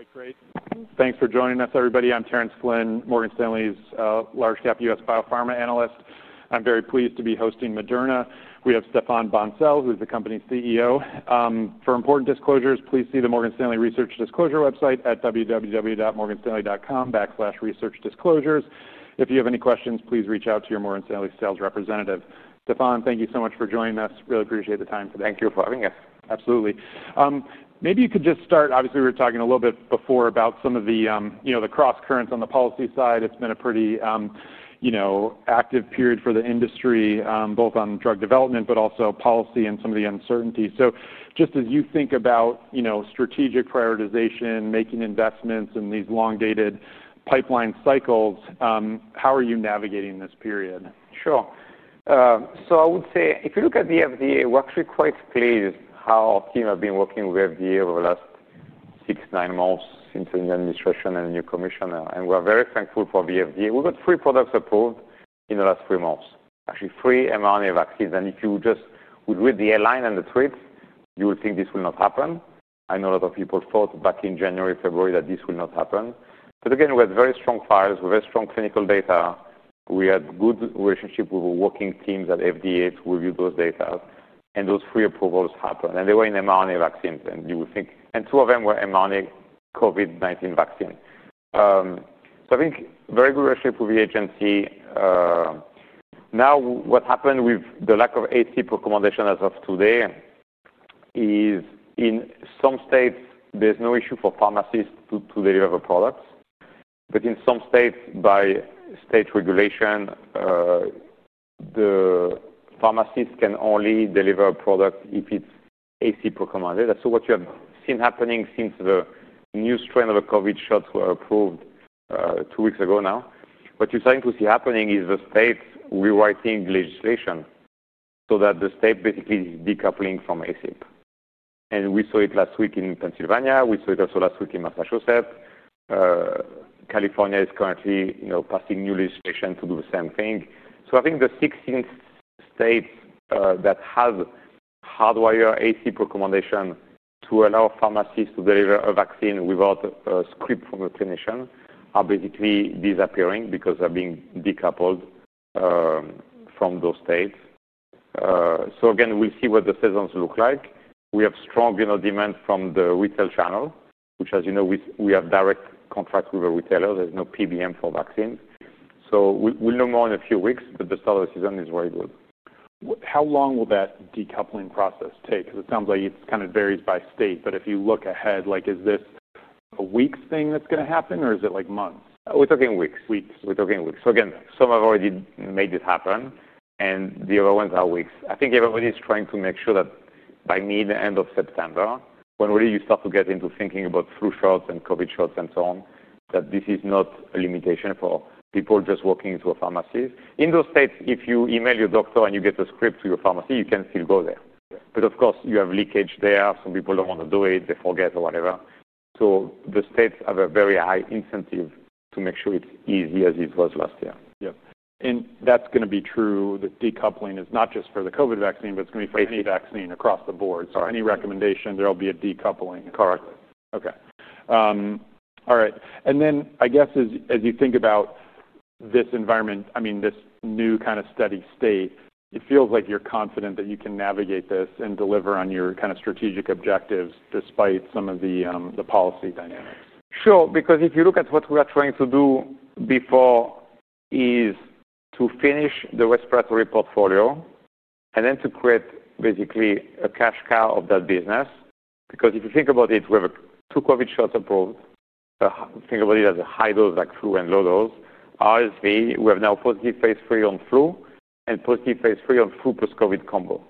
All right. Great. Thanks for joining us, everybody. I'm Terence Flynn, Morgan Stanley's large-cap US biopharma analyst. I'm very pleased to be hosting Moderna. We have Stéphane Bancel, who's the company's CEO. For important disclosures, please see the Morgan Stanley Research Disclosure website at www.morganstanley.com/researchdisclosures. If you have any questions, please reach out to your Morgan Stanley sales representative. Stéphane, thank you so much for joining us. Really appreciate the time today. Thank you for having us. Absolutely. Maybe you could just start. Obviously, we were talking a little bit before about some of the cross-currents on the policy side. It's been a pretty active period for the industry, both on drug development but also policy and some of the uncertainty. Just as you think about strategic prioritization, making investments, and these long-dated pipeline cycles, how are you navigating this period? Sure. I would say if you look at the FDA, we're actually quite pleased how our team has been working with the FDA over the last six, nine months since the administration and the new commissioner. We're very thankful for the FDA. We got three products approved in the last three months, actually three mRNA vaccines. If you just would read the headline and the tweets, you would think this will not happen. I know a lot of people thought back in January, February that this will not happen. We had very strong files with very strong clinical data. We had good relationships with our working teams at FDA to review those data. Those three approvals happened. They were in mRNA vaccines. You would think, and two of them were mRNA COVID-19 vaccines. I think very good relationship with the agency. What happened with the lack of HHS recommendation as of today is in some states, there's no issue for pharmacists to deliver products. In some states, by state regulation, the pharmacists can only deliver a product if it's HHS recommended. That's what you have seen happening since the new strain of a COVID shot was approved two weeks ago now. What you're starting to see happening is the states rewriting legislation so that the state basically is decoupling from HHS. We saw it last week in Pennsylvania. We saw it also last week in Massachusetts. California is currently passing new legislation to do the same thing. The 16 states that have hardwired HHS recommendation to allow pharmacists to deliver a vaccine without a script from a clinician are basically disappearing because they're being decoupled from those states. We'll see what the seasons look like. We have strong demand from the retail channel, which, as you know, we have direct contracts with the retailers. There's no PBM for vaccines. We'll know more in a few weeks, but the start of the season is very good. How long will that decoupling process take? Because it sounds like it kind of varies by state. If you look ahead, is this a weeks thing that's going to happen, or is it like months? We're talking weeks. We're talking weeks. Some have already made it happen, and the other ones are weeks. I think everybody is trying to make sure that by mid-end of September, when you really start to get into thinking about flu shots and COVID shots and so on, this is not a limitation for people just walking into a pharmacy. In those states, if you email your doctor and you get a script to your pharmacy, you can still go there. Of course, you have leakage there. Some people don't want to do it, they forget or whatever. The states have a very high incentive to make sure it's as easy as it was last year. Yes, that's going to be true. The decoupling is not just for the COVID-19 vaccine, but it's going to be for any vaccine across the board. Any recommendation, there will be a decoupling. Correct. All right. As you think about this environment, I mean, this new kind of steady state, it feels like you're confident that you can navigate this and deliver on your kind of strategic objectives despite some of the policy dynamics. Sure. Because if you look at what we are trying to do before is to finish the respiratory portfolio and then to create basically a cash cow of that business. Because if you think about it, we have two COVID-19 shots approved. Think about it as a high-dose vaccine and low-dose. RSV, we have now positive phase III on flu and positive phase III on flu-COVID combo.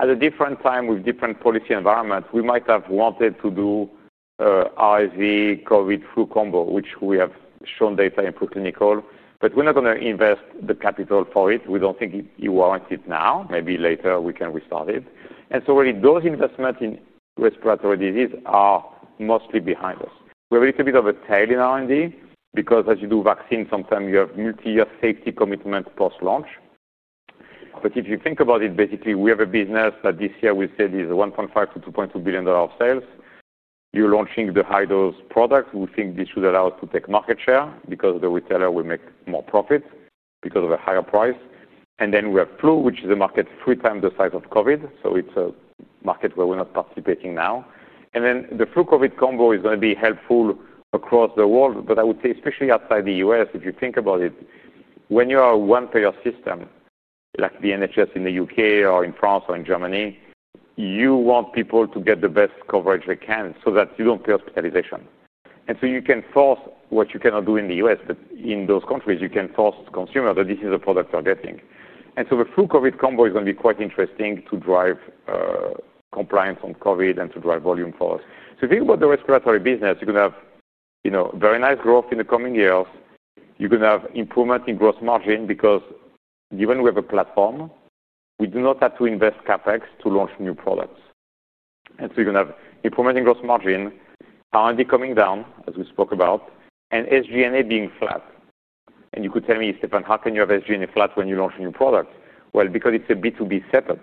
At a different time with different policy environments, we might have wanted to do RSV, COVID-19, flu combo, which we have shown data in preclinical. We are not going to invest the capital for it. We do not think it warrants it now. Maybe later we can restart it. Those investments in respiratory disease are mostly behind us. We have a little bit of a tail in R&D because as you do vaccines, sometimes you have multi-year safety commitment post-launch. If you think about it, basically, we have a business that this year we said is $1.5 to $2.2 billion of sales. You are launching the high-dose product. We think this should allow us to take market share because the retailer will make more profits because of a higher price. We have flu, which is a market three times the size of COVID-19. It is a market where we are not participating now. The flu-COVID combo is going to be helpful across the world. I would say especially outside the U.S., if you think about it, when you are a one-payer system, like the NHS in the UK or in France or in Germany, you want people to get the best coverage they can so that you do not pay hospitalization. You can force what you cannot do in the U.S. In those countries, you can force consumers that this is a product they are getting. The flu-COVID combo is going to be quite interesting to drive compliance on COVID-19 and to drive volume for us. If you think about the respiratory business, you are going to have very nice growth in the coming years. You are going to have improvement in gross margin because given we have a platform, we do not have to invest CapEx to launch new products. You are going to have improvement in gross margin, R&D coming down, as we spoke about, and SG&A being flat. You could tell me, "Stéphane, how can you have SG&A flat when you launch a new product?" It is because it is a B2B setup.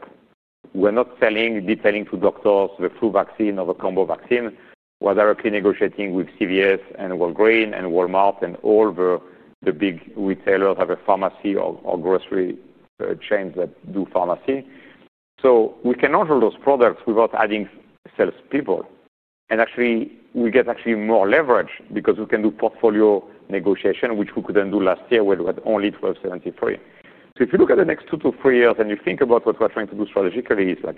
We are not selling, detailing to doctors the flu vaccine or the combo vaccine. We're directly negotiating with CVS and Walgreens and Walmart and all the big retailers that have a pharmacy or grocery chain that do pharmacy. We can now hold those products without adding salespeople. Actually, we get more leverage because we can do portfolio negotiation, which we couldn't do last year when we had only 1,273. If you look at the next two to three years and you think about what we're trying to do strategically, it's like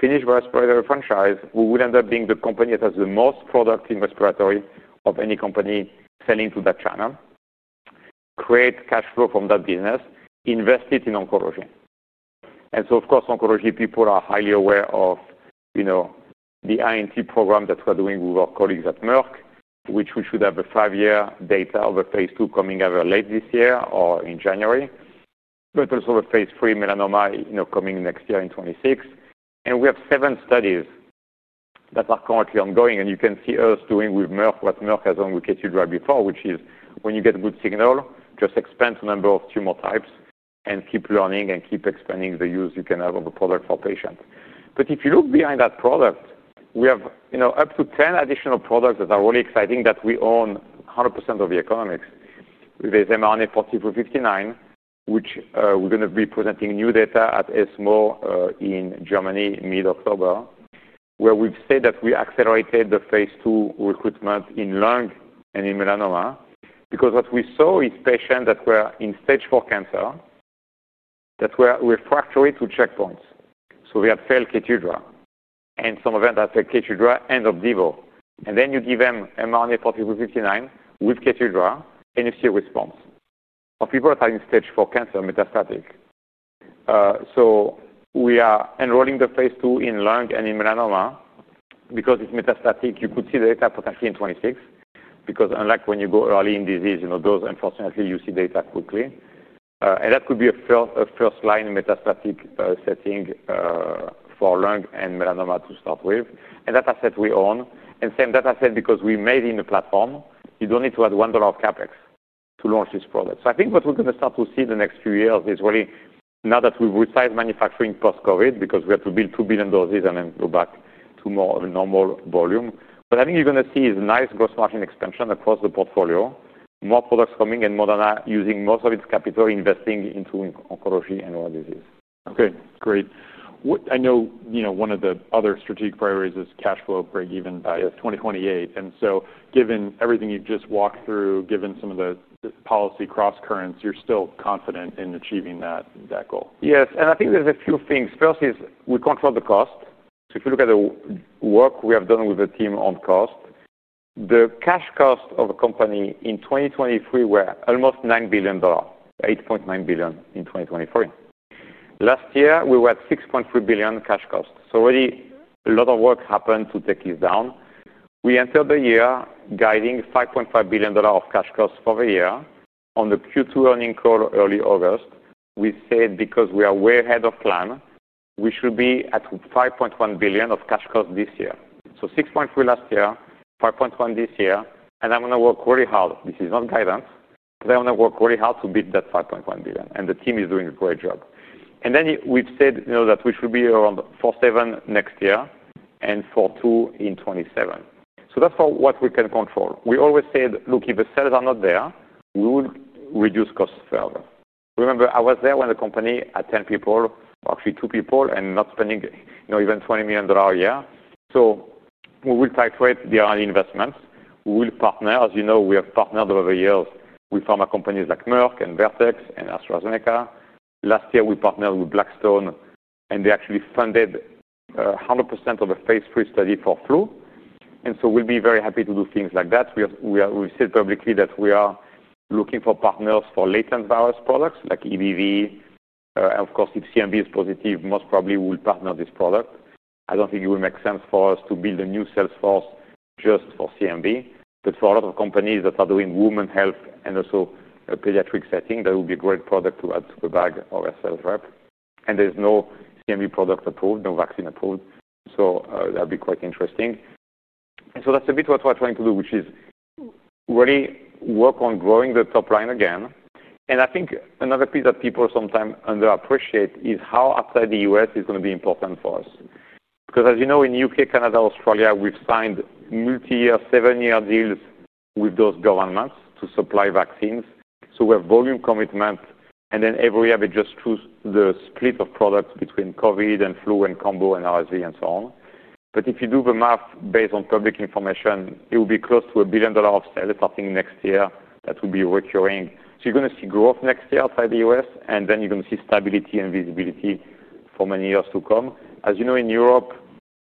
finish the respiratory franchise. We would end up being the company that has the most products in respiratory of any company selling to that channel, create cash flow from that business, invest it in oncology. Of course, oncology people are highly aware of the R&D program that we're doing with our colleagues at Merck, which we should have a five-year data of a phase II coming either late this year or in January, but also a phase III melanoma coming next year in 2026. We have seven studies that are currently ongoing. You can see us doing with Merck what Merck has done with Keytruda before, which is when you get good signal, just expand to a number of tumor types and keep learning and keep expanding the use you can have of the product for patients. If you look behind that product, we have up to 10 additional products that are really exciting that we own 100% of the economics. There's mRNA-4359, which we're going to be presenting new data at ESMO in Germany mid-October, where we've said that we accelerated the phase 2 recruitment in lung and in melanoma. What we saw is patients that were in stage 4 cancer that were refractory to checkpoints. They had failed Keytruda. Some of them that take Keytruda end up vivo. Then you give them mRNA-4359 with Keytruda and you see a response of people that are in stage 4 cancer, metastatic. We are enrolling the phase 2 in lung and in melanoma. Because it's metastatic, you could see the data potentially in 2026. Unlike when you go early in disease, unfortunately, you see data quickly. That could be a first-line metastatic setting for lung and melanoma to start with. That asset we own. Same that I said because we made it in the platform. You don't need to add $1 CapEx to launch this product. I think what we're going to start to see in the next few years is really now that we've resized manufacturing post-COVID because we had to build 2 billion doses and then go back to more normal volume. I think you're going to see a nice gross margin expansion across the portfolio, more products coming and Moderna using most of its capital investing into oncology and rare disease. Okay. Great. I know one of the other strategic priorities is cash flow break-even by 2028. Given everything you've just walked through, given some of the policy cross-currents, you're still confident in achieving that goal. Yes. I think there's a few things. First is we controlled the cost. If you look at the work we have done with the team on cost, the cash cost of the company in 2023 was almost $9 billion, $8.9 billion in 2023. Last year, we were at $6.3 billion cash cost. Really, a lot of work happened to take this down. We entered the year guiding $5.5 billion of cash costs for the year. On the Q2 earnings call early August, we said because we are way ahead of plan, we should be at $5.1 billion of cash costs this year. $6.3 billion last year, $5.1 billion this year. I'm going to work really hard. This is not guidance, but I'm going to work really hard to beat that $5.1 billion. The team is doing a great job. We've said that we should be around $4.7 billion next year and $4.2 billion in 2027. That's for what we can control. We always said, look, if the sales are not there, we will reduce costs further. Remember, I was there when the company had 10 people, actually 2 people, and not spending even $20 million a year. We will titrate the R&D investments. We will partner. As you know, we have partnered over the years with pharma companies like Merck and Vertex and AstraZeneca. Last year, we partnered with Blackstone, and they actually funded 100% of the phase 3 study for flu. We will be very happy to do things like that. We've said publicly that we are looking for partners for latent virus products like EBV. Of course, if CMV is positive, most probably we'll partner this product. I don't think it would make sense for us to build a new sales force just for CMV. For a lot of companies that are doing women's health and also pediatric settings, that would be a great product to add to the bag of our sales rep. There's no CMV product approved, no vaccine approved. That would be quite interesting. That's a bit what we're trying to do, which is really work on growing the top line again. I think another piece that people sometimes underappreciate is how outside the U.S. is going to be important for us. As you know, in the UK, Canada, Australia, we've signed multi-year, seven-year deals with those governments to supply vaccines. We have volume commitment. Every year, we just choose the split of products between COVID and flu and combo and RSV and so on. If you do the math based on public information, it will be close to $1 billion of sales starting next year that will be recurring. You are going to see growth next year outside the U.S., and then you are going to see stability and visibility for many years to come. As you know, in Europe,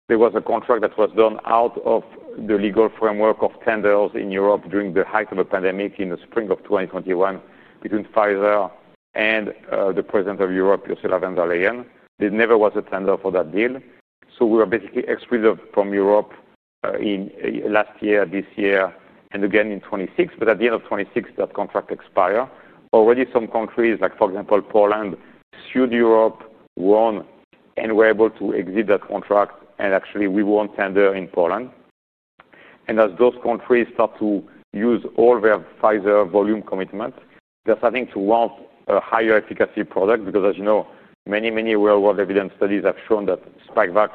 there was a contract that was done out of the legal framework of tenders in Europe during the height of the pandemic in the spring of 2021 between Pfizer and the President of Europe, Ursula von der Leyen. There never was a tender for that deal. We were basically excluded from Europe last year, this year, and again in 2026. At the end of 2026, that contract expired. Already some countries, like for example, Poland, sued Europe, won, and were able to exit that contract. Actually, we won tender in Poland. As those countries start to use all their Pfizer volume commitment, they are starting to want a higher efficacy product. As you know, many worldwide evidence studies have shown that Spikevax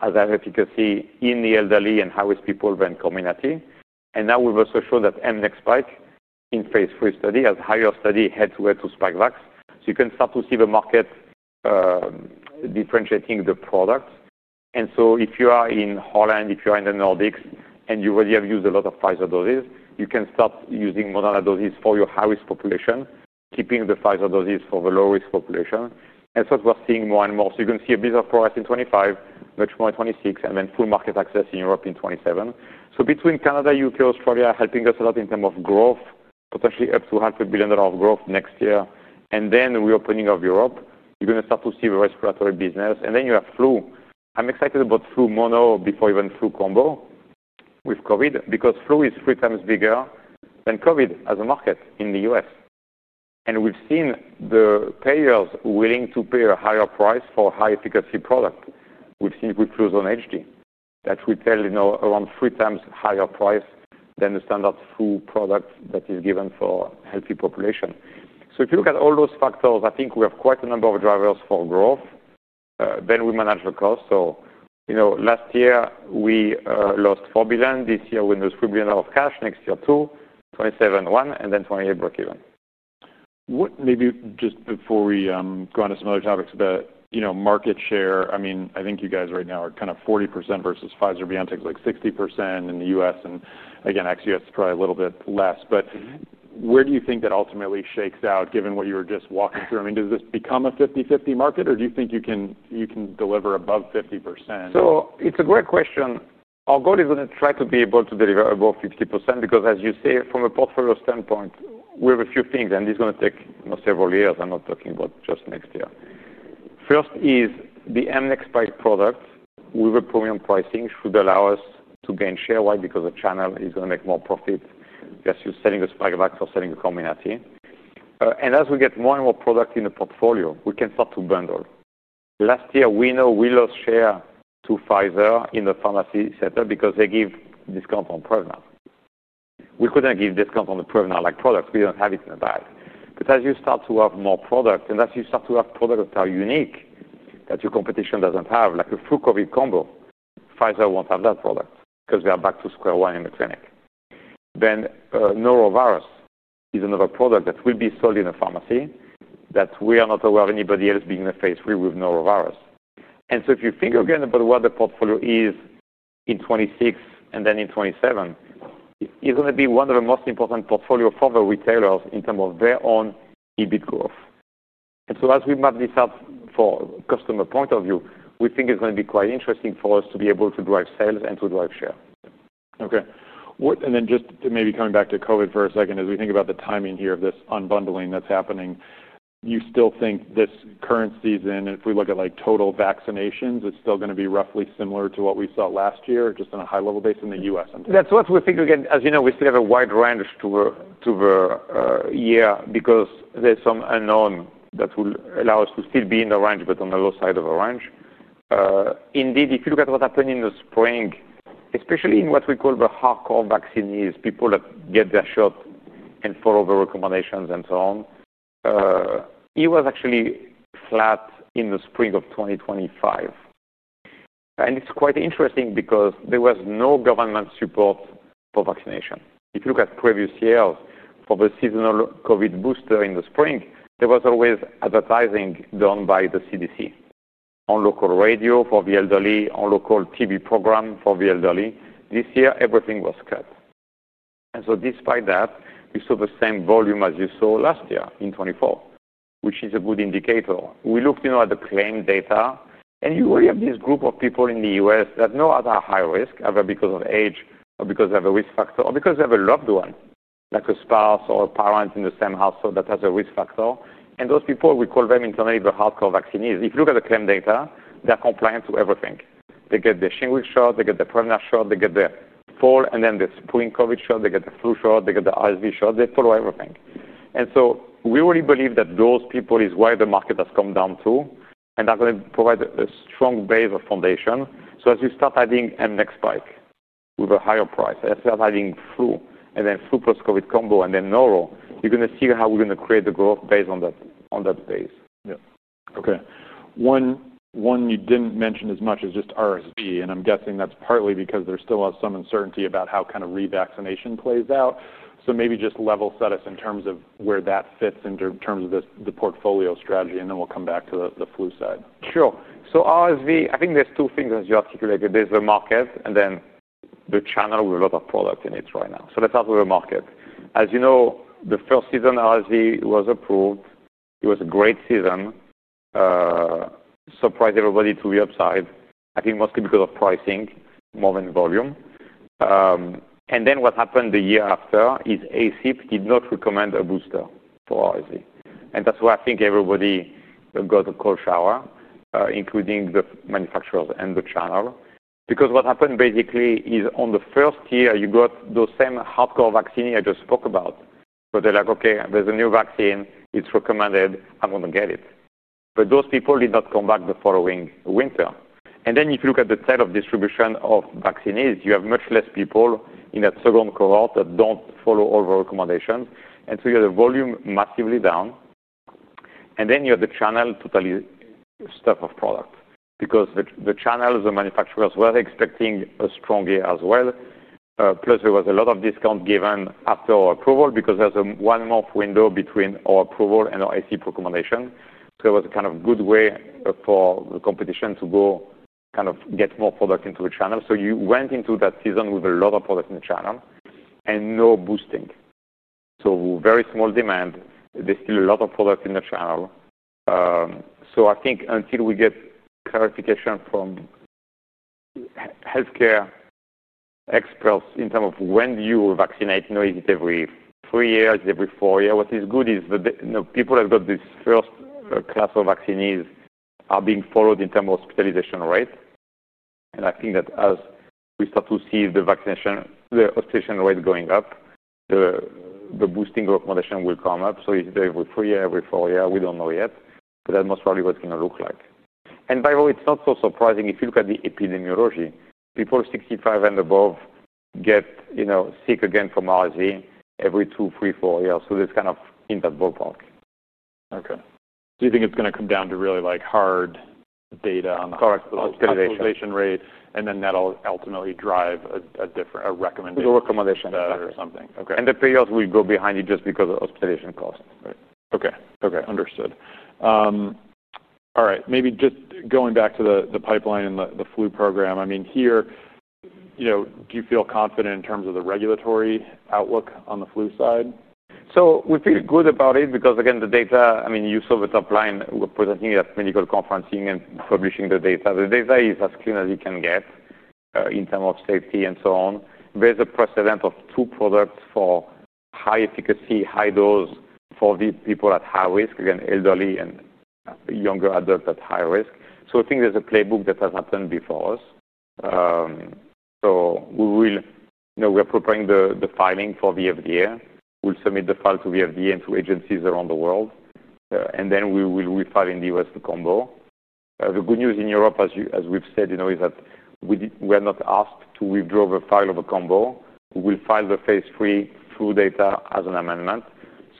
has higher efficacy in the elderly and high-risk people than Comirnaty. Now we have also shown that Mnexpec in phase 3 study has a higher study head-to-head to Spikevax. You can start to see the market differentiating the products. If you are in Holland, if you are in the Nordics, and you already have used a lot of Pfizer doses, you can start using Moderna doses for your high-risk population, keeping the Pfizer doses for the low-risk population. What we are seeing more and more is a bit of progress in 2025, much more in 2026, and then full market access in Europe in 2027. Between Canada, UK, and Australia are helping us a lot in terms of growth, potentially up to $100 billion of growth next year. The reopening of Europe means you are going to start to see the respiratory business. Then you have flu. I am excited about flu mono before even flu combo with COVID because flu is three times bigger than COVID as a market in the U.S. We have seen the payers willing to pay a higher price for a high-efficacy product. We have seen good flus on HD that retail around three times higher price than the standard flu product that is given for a healthy population. If you look at all those factors, I think we have quite a number of drivers for growth. We manage the cost. Last year, we lost $4 billion. This year, we lose $3 billion of cash. Next year, $2 billion, 2027, $1 billion, and then 2028 break-even. Maybe just before we go on to some other topics about market share, I mean, I think you guys right now are kind of 40% versus Pfizer-BioNTech, like 60% in the U.S., and again, actually, that's probably a little bit less. Where do you think that ultimately shakes out, given what you were just walking through? I mean, does this become a 50/50 market, or do you think you can deliver above 50%? It's a great question. Our goal is going to try to be able to deliver above 50% because, as you say, from a portfolio standpoint, we have a few things. It's going to take several years. I'm not talking about just next year. First is the Mnexpec product with a premium pricing should allow us to gain share. Why? Because the channel is going to make more profit versus selling the Spikevax or selling the Comirnaty. As we get more and more products in the portfolio, we can start to bundle. Last year, we know we lost share to Pfizer in the pharmacy sector because they give discounts on Prevnar. We couldn't give discounts on the Prevnar-like products. We don't have it in the bag. As you start to have more products and as you start to have products that are unique, that your competition doesn't have, like a flu-COVID combo, Pfizer won't have that product because they are back to square one in the clinic. Norovirus is another product that will be sold in the pharmacy that we are not aware of anybody else being in the phase 3 with Norovirus. If you think again about what the portfolio is in 2026 and then in 2027, it's going to be one of the most important portfolios for the retailers in terms of their own EBIT growth. As we map this out for a customer point of view, we think it's going to be quite interesting for us to be able to drive sales and to drive share. Okay. Maybe coming back to COVID for a second, as we think about the timing here of this unbundling that's happening, you still think this current season, if we look at total vaccinations, it's still going to be roughly similar to what we saw last year, just on a high-level basis in the U.S.? That's what we think. Again, as you know, we still have a wide range to the year because there's some unknown that will allow us to still be in the range, but on the low side of the range. Indeed, if you look at what happened in the spring, especially in what we call the hardcore vaccinees, people that get their shot and follow the recommendations and so on, it was actually flat in the spring of 2025. It's quite interesting because there was no government support for vaccination. If you look at the previous years, for the seasonal COVID booster in the spring, there was always advertising done by the CDC on local radio for the elderly, on local TV programs for the elderly. This year, everything was scattered. Despite that, you saw the same volume as you saw last year in 2024, which is a good indicator. We looked at the claim data. You really have this group of people in the U.S. that know that they are high-risk, either because of age or because they have a risk factor or because they have a loved one, like a spouse or a parent in the same household that has a risk factor. Those people, we call them internally the hardcore vaccinees. If you look at the claim data, they are compliant to everything. They get the Shingrix shot, they get the Prevnar shot, they get the fall and then the spring COVID shot, they get the flu shot, they get the RSV shot. They follow everything. We really believe that those people are why the market has come down to and are going to provide a strong base or foundation. As we start adding Mnexpec with a higher price, as we are adding flu and then flu plus COVID combo and then Noro, you're going to see how we're going to create the growth based on that base. Okay. One you didn't mention as much is just RSV. I'm guessing that's partly because there still is some uncertainty about how kind of revaccination plays out. Maybe just level set us in terms of where that fits in terms of the portfolio strategy. Then we'll come back to the flu side. Sure. So RSV, I think there's two things as you articulated. There's the market and then the channel with a lot of products in it right now. Let's start with the market. As you know, the first season RSV was approved. It was a great season. Surprised everybody to the upside, I think mostly because of pricing more than volume. What happened the year after is HHS did not recommend a booster for RSV. That's why I think everybody got a cold shower, including the manufacturers and the channel. What happened basically is on the first year, you got those same hardcore vaccines I just spoke about. They're like, "Okay, there's a new vaccine. It's recommended. I'm going to get it." Those people did not come back the following winter. If you look at the type of distribution of vaccinees, you have much less people in that second cohort that don't follow all the recommendations. You have the volume massively down. You have the channel totally stuffed with product because the channels, the manufacturers were expecting a strong year as well. Plus, there was a lot of discount given after our approval because there's a one-month window between our approval and our HHS recommendation. It was a kind of good way for the competition to go kind of get more product into the channel. You went into that season with a lot of product in the channel and no boosting. With very small demand, there's still a lot of product in the channel. I think until we get clarification from healthcare experts in terms of when you will vaccinate, you know, is it every three years? Is it every four years? What is good is that people who got this first class of vaccines are being followed in terms of hospitalization rate. I think that as we start to see the vaccination, the hospitalization rate going up, the boosting recommendation will come up. Is it every three years, every four years? We don't know yet. That most probably is what it's going to look like. By the way, it's not so surprising if you look at the epidemiology. People 65 and above get sick again from RSV every two, three, four years. That's kind of in that ballpark. Okay, you think it's going to come down to really like hard data on the hospitalization rate, and then that'll ultimately drive a different recommendation or something. Payers will go behind it just because of hospitalization costs. Okay. Okay. Understood. All right. Maybe just going back to the pipeline and the flu program. I mean, here, you know, do you feel confident in terms of the regulatory outlook on the flu side? We feel good about it because again, the data, I mean, you saw the top line. We're presenting at medical conferencing and publishing the data. The data is as clean as you can get in terms of safety and so on. There's a precedent of two products for high efficacy, high dose for the people at high risk, again, elderly and younger adults at high risk. I think there's a playbook that has happened before us. We are preparing the filing for the FDA. We'll submit the file to the FDA and to agencies around the world. We will refile in the U.S. the combo. The good news in Europe, as we've said, is that we are not asked to withdraw the file of a combo. We'll file the phase 3 flu data as an amendment.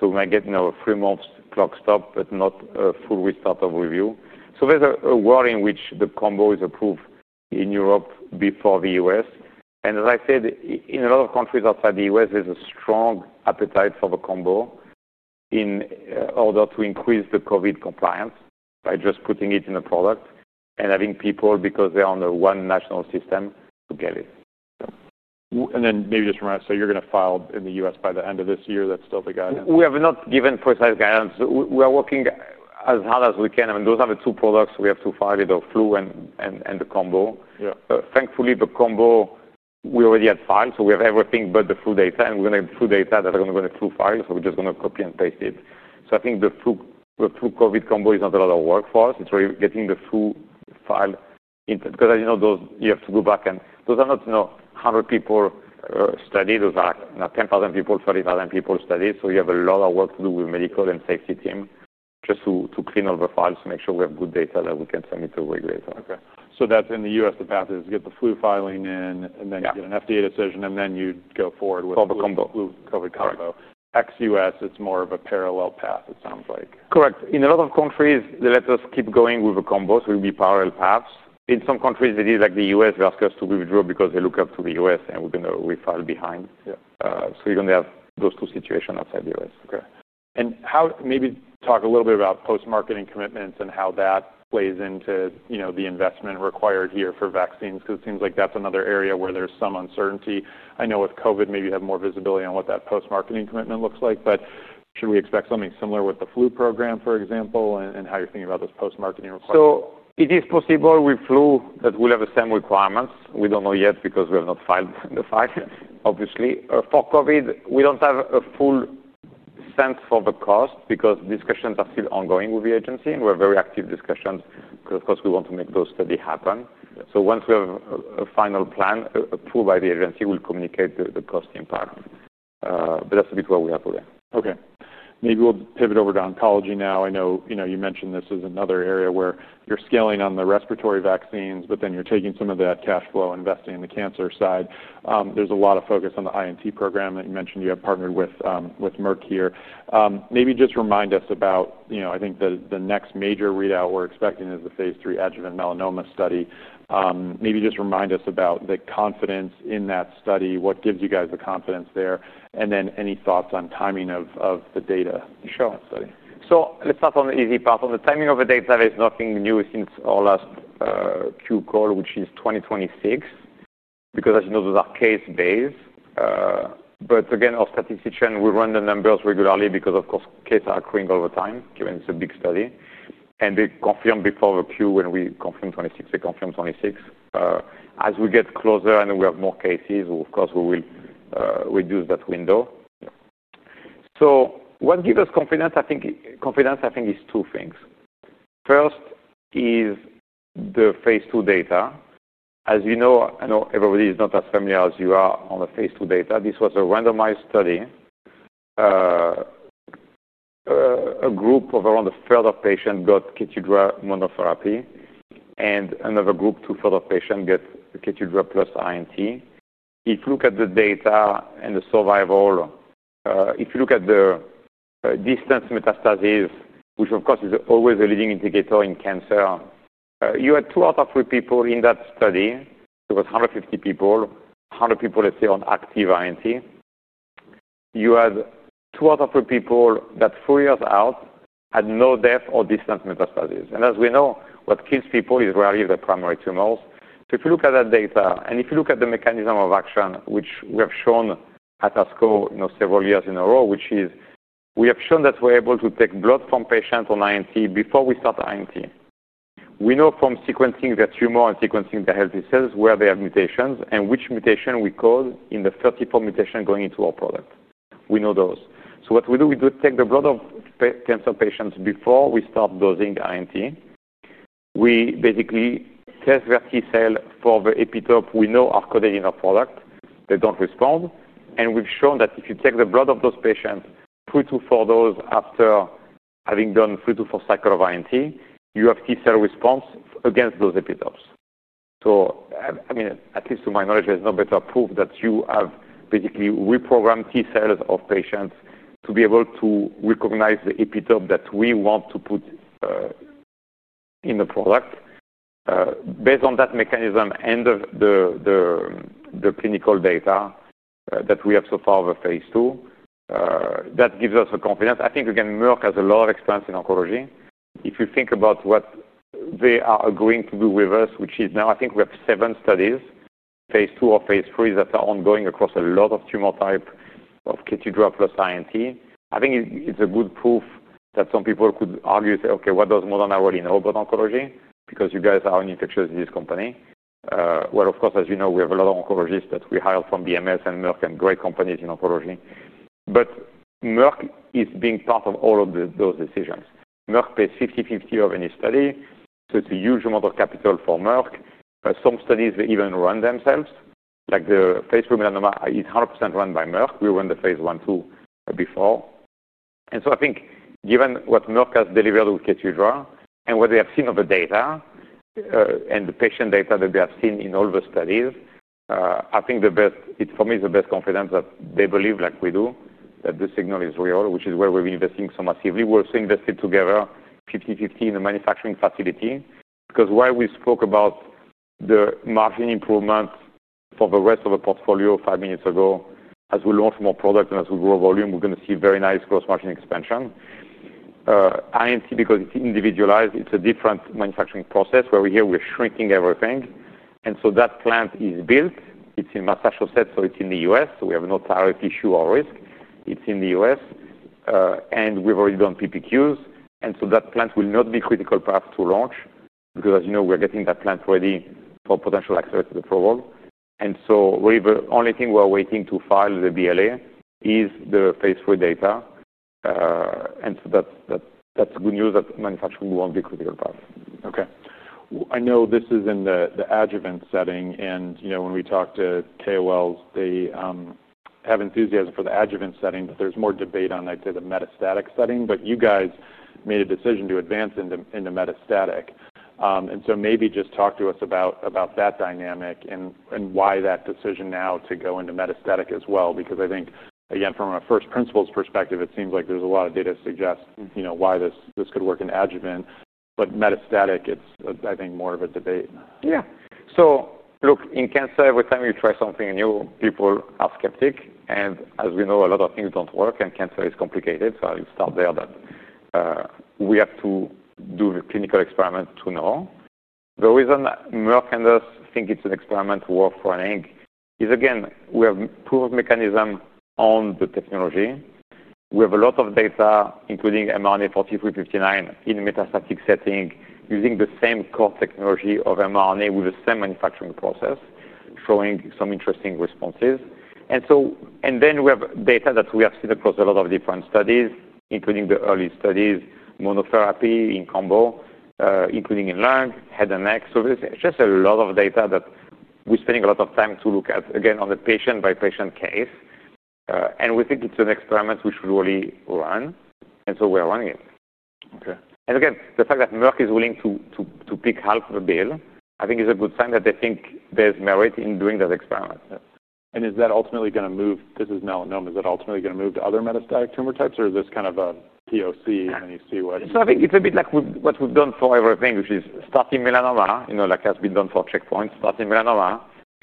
We might get a three-month clock stop, but not a full restart of review. There's a world in which the combo is approved in Europe before the U.S. As I said, in a lot of countries outside the U.S., there's a strong appetite for the combo in order to increase the COVID compliance by just putting it in a product and having people, because they're on a one-national system, to get it. Maybe just to remind us, you're going to file in the U.S. by the end of this year. That's still the guidance? We have not given personalized guidance. We are working as hard as we can. I mean, those are the two products we have to file, the flu and the combo. Thankfully, the combo we already had filed. We have everything but the flu data, and we are going to get flu data that are going to go to the flu file. We are just going to copy and paste it. I think the flu-COVID combo is not a lot of work for us. It is really getting the flu file in, because as you know, you have to go back and those are not 100 people studied. Those are 10,000 people, 30,000 people studied. You have a lot of work to do with medical and safety teams just to clean all the files to make sure we have good data that we can send to the regulator. That's in the U.S., the path is get the flu filing in and then get an FDA decision, and then you go forward with the flu-COVID combo. Combo. Ex-U.S., it's more of a parallel path, it sounds like. Correct. In a lot of countries, they let us keep going with the combo. It will be parallel paths. In some countries, it is like the U.S. asks us to withdraw because they look up to the U.S., and we're going to refile behind. You are going to have those two situations outside the U.S. Okay. Maybe talk a little bit about post-marketing commitments and how that plays into the investment required here for vaccines, because it seems like that's another area where there's some uncertainty. I know with COVID, maybe you have more visibility on what that post-marketing commitment looks like. Should we expect something similar with the flu program, for example, and how you're thinking about those post-marketing requests? It is possible with flu that we'll have the same requirements. We don't know yet because we have not filed the file, obviously. For COVID, we don't have a full sense for the cost because discussions are still ongoing with the agency. We're in very active discussions because, of course, we want to make those studies happen. Once we have a final plan approved by the agency, we'll communicate the cost in par. That's a bit where we are today. Okay. Maybe we'll pivot over to oncology now. I know you mentioned this is another area where you're scaling on the respiratory vaccines, but then you're taking some of that cash flow and investing in the cancer side. There's a lot of focus on the Individualized Neoantigen Therapy (INT) program that you mentioned you have partnered with Merck here. Maybe just remind us about, I think the next major readout we're expecting is the phase 3 adjuvant melanoma study. Maybe just remind us about the confidence in that study. What gives you guys the confidence there? Any thoughts on timing of the data to show that study? Let's start on the easy part. On the timing of the data, there's nothing new since our last Q call, which is 2026. As you know, those are case-based. Our statistician runs the numbers regularly because, of course, cases are accruing all the time given it's a big study. They confirmed before the Q when we confirmed 2026. They confirm 2026. As we get closer and we have more cases, we will reduce that window. What gives us confidence? I think confidence is two things. First is the phase 2 data. As you know, I know everybody is not as familiar as you are on the phase 2 data. This was a randomized study. A group of around a third of patients got K2Drive monotherapy. Another group, two-thirds of patients, get K2Drive plus Individualized Neoantigen Therapy (INT). If you look at the data and the survival, if you look at the distant metastases, which is always a leading indicator in cancer, you had two out of three people in that study. It was 150 people. 100 people, let's say, on active INT. You had two out of three people that four years out had no death or distant metastases. As we know, what kills people is rarely the primary tumors. If you look at that data, and if you look at the mechanism of action, which we have shown at ASCO several years in a row, we have shown that we're able to take blood from patients on INT before we start INT. We know from sequencing the tumor and sequencing the healthy cells where they have mutations and which mutation we cause in the 34 mutations going into our product. We know those. We take the blood of cancer patients before we start dosing INT. We basically test the T-cell for the epitope we know are coded in our product. They don't respond. We've shown that if you take the blood of those patients three to four days after having done three to four cycles of INT, you have T-cell response against those epitopes. At least to my knowledge, there's no better proof that you have basically reprogrammed T-cells of patients to be able to recognize the epitope that we want to put in the product. Based on that mechanism and the clinical data that we have so far of a phase 2, that gives us confidence. I think again, Merck has a lot of experience in oncology. If you think about what they are agreeing to do with us, we have seven studies, phase 2 or phase 3, that are ongoing across a lot of tumor types of K2Drive plus INT. I think it's a good proof that some people could argue and say, "Okay, what does Moderna really know about oncology?" because you guys are only infectious disease company. Of course, as you know, we have a lot of oncologists that we hire from BMS and Merck and great companies in oncology. Merck is being part of all of those decisions. Merck pays 50/50 of any study. It's a huge amount of capital for Merck. Some studies they even run themselves, like the phase 3 melanoma is 100% run by Merck. We were in the phase 1 too before. I think given what Merck has delivered with K2Drive and what they have seen of the data and the patient data that they have seen in all the studies, I think the best, for me, is the best confidence that they believe, like we do, that the signal is real, which is why we're investing so massively. We're also invested together 50/50 in the manufacturing facility. While we spoke about the margin improvement for the rest of the portfolio five minutes ago, as we launch more products and as we grow volume, we're going to see very nice gross margin expansion. INT, because it's individualized, it's a different manufacturing process where we hear we're shrinking everything. That plant is built. It's in Massachusetts, so it's in the U.S. We have no thyroid issue or risk. It's in the U.S. We've already done PPQs. That plant will not be a critical path to launch because, as you know, we're getting that plant ready for potential access to the approval. Really, the only thing we're waiting to file the BLA is the phase 4 data. That's good news that manufacturing won't be a critical path. Okay. I know this is in the adjuvant setting. You know, when we talked to Tewells, they have enthusiasm for the adjuvant setting, but there's more debate on, I'd say, the metastatic setting. You guys made a decision to advance into metastatic. Maybe just talk to us about that dynamic and why that decision now to go into metastatic as well. I think, again, from a first principles perspective, it seems like there's a lot of data to suggest why this could work in adjuvant. Metastatic, it's, I think, more of a debate. Yeah. In cancer, every time you try something new, people are skeptic. As we know, a lot of things don't work, and cancer is complicated. I'll start there. We have to do the clinical experiment to know. The reason Merck and us think it's an experiment worth running is, again, we have proven mechanism on the technology. We have a lot of data, including mRNA-4359 in metastatic settings, using the same core technology of mRNA with the same manufacturing process, showing some interesting responses. We have data that we have seen across a lot of different studies, including the early studies, monotherapy in combo, including in lung, head and neck. There's just a lot of data that we're spending a lot of time to look at, again, on the patient-by-patient case. We think it's an experiment which will really run, and we're running it. The fact that Merck is willing to pick half the bill, I think, is a good sign that they think there's merit in doing that experiment. Is that ultimately going to move? This is melanoma. Is that ultimately going to move to other metastatic tumor types, or is this kind of a POC and then you see what? I think it's a bit like what we've done for everything, which is starting melanoma, like has been done for checkpoints, starting melanoma.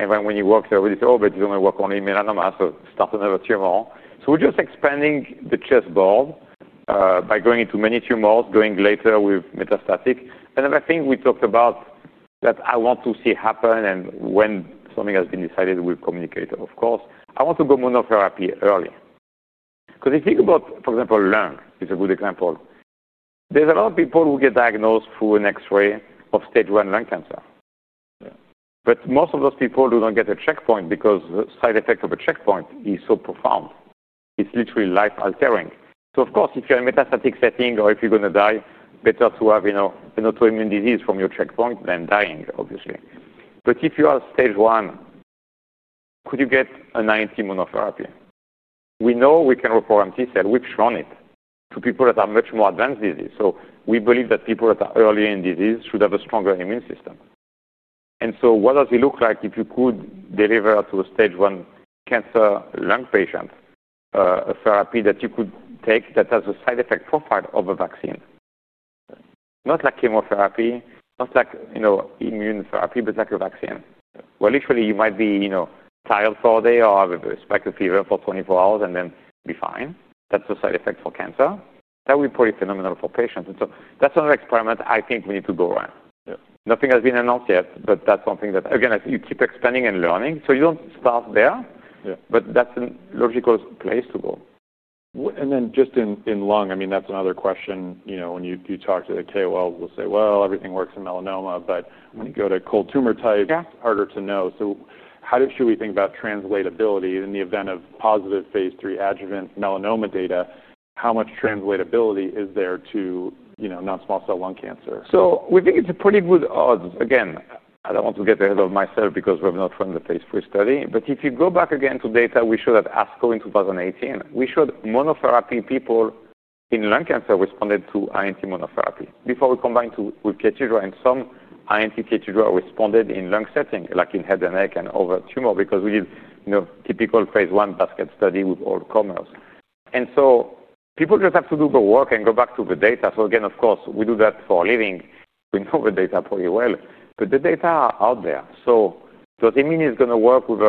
When you work, everybody says, "Oh, but you don't want to work only on melanoma. So start another tumor." We're just expanding the chessboard by going into many tumors, going later with metastatic. Another thing we talked about that I want to see happen, and when something has been decided, we'll communicate, of course, I want to go monotherapy early. If you think about, for example, lung is a good example. There's a lot of people who get diagnosed through an X-ray of stage one lung cancer. Most of those people do not get a checkpoint because the side effect of a checkpoint is so profound. It's literally life-altering. Of course, if you're in a metastatic setting or if you're going to die, better to have an autoimmune disease from your checkpoint than dying, obviously. If you are stage one, could you get an INT monotherapy? We know we can reprogram T-cell. We've shown it to people that have much more advanced disease. We believe that people that are early in disease should have a stronger immune system. What does it look like if you could deliver to a stage one cancer lung patient a therapy that you could take that has a side effect profile of a vaccine? Not like chemotherapy, not like immune therapy, but like a vaccine. You might be tired for a day or have a spike of fever for 24 hours and then be fine. That's a side effect for cancer. That would be pretty phenomenal for patients. That's another experiment I think we need to go around. Nothing has been announced yet, but that's something that, again, if you keep expanding and learning. You don't start there, but that's a logical place to go. In lung, I mean, that's another question. When you talk to the KOLs, they'll say, "Everything works in melanoma." When you go to cold tumor type, it's harder to know. How should we think about translatability in the event of positive phase 3 adjuvant melanoma data? How much translatability is there to non-small cell lung cancer? We think it's pretty good. I don't want to get ahead of myself because we're not from the phase 3 study. If you go back again to data we showed at ASCO in 2018, we showed monotherapy people in lung cancer responded to INT monotherapy. Before we combined with K2Drive, some INT K2Drive responded in lung setting, like in head and neck and other tumors, because we did a typical phase 1 basket study with all comers. People just have to do the work and go back to the data. We do that for a living. We know the data pretty well. The data are out there. Does it mean it's going to work with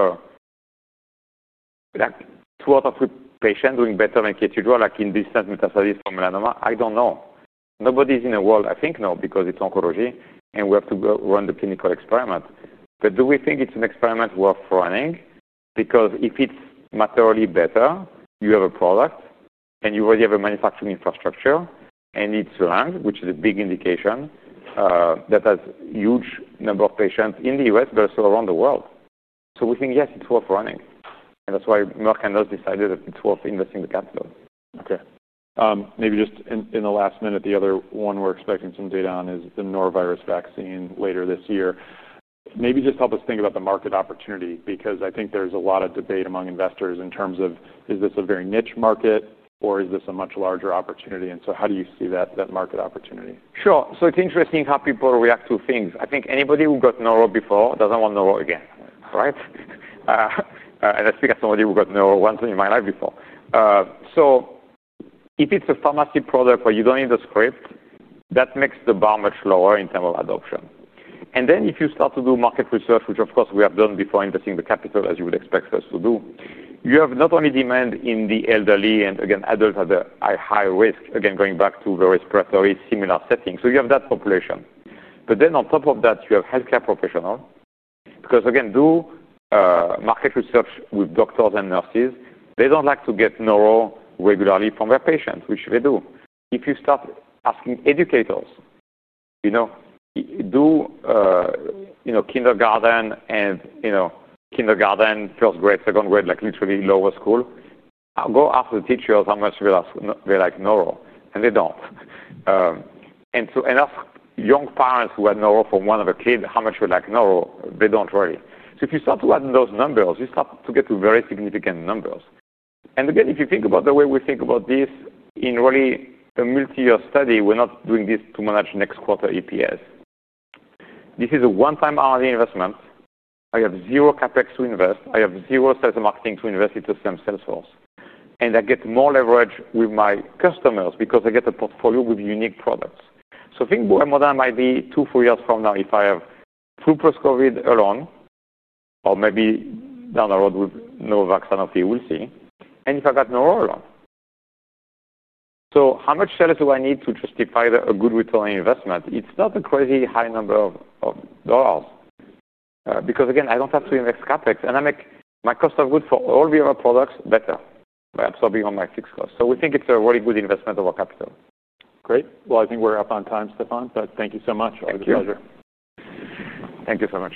two out of three patients doing better than K2Drive, like in distant metastasis for melanoma? I don't know. Nobody in the world, I think, knows, because it's oncology. We have to run the clinical experiment. Do we think it's an experiment worth running? If it's materially better, you have a product, and you already have a manufacturing infrastructure, and it's a lung, which is a big indication that has a huge number of patients in the U.S., but also around the world. We think, yes, it's worth running. That's why Merck and us decided that it's worth investing the capital. Okay. Maybe just in the last minute, the other one we're expecting some data on is the Norovirus vaccine later this year. Maybe just help us think about the market opportunity because I think there's a lot of debate among investors in terms of, is this a very niche market or is this a much larger opportunity? How do you see that market opportunity? Sure. It's interesting how people react to things. I think anybody who got Noro before doesn't want Noro again, right? I speak as somebody who got Noro once in my life before. If it's a pharmacy product where you don't need a script, that makes the bar much lower in terms of adoption. If you start to do market research, which, of course, we have done before investing the capital, as you would expect us to do, you have not only demand in the elderly and, again, adults at high risk, going back to the respiratory similar setting. You have that population. On top of that, you have healthcare professionals because, again, do market research with doctors and nurses. They don't like to get Noro regularly from their patients, which they do. If you start asking educators, kindergarten, first grade, second grade, literally lower school, go ask the teachers how much they like Noro. They don't. Enough young parents who had Noro from one of the kids, how much you like Noro? They don't really. If you start to add those numbers, you start to get to very significant numbers. If you think about the way we think about this in really a multi-year study, we're not doing this to manage next quarter EPS. This is a one-time R&D investment. I have zero CAPEX to invest. I have zero sales and marketing to invest. It's the same sell source. I get more leverage with my customers because I get a portfolio with unique products. I think what Moderna might be two, four years from now if I have flu plus COVID alone, or maybe down the road with Novavax and OT, we'll see. If I got Noro alone. How much sellers do I need to justify a good return on investment? It's not a crazy high number of dollars. I don't have to invest CapEx. I make my cost of goods for all the other products better by absorbing on my fixed cost. We think it's a really good investment of our capital. Great. I think we're up on time, Stéphane. Thank you so much. Thank you. It was a pleasure. Thank you so much.